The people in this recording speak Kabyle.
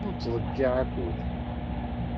Ur nettḍeyyiɛ akud.